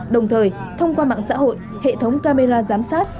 đồng thời thông qua mạng xã hội hệ thống camera giám sát